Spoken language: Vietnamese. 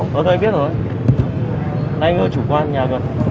anh ở chủ quan nhà cơ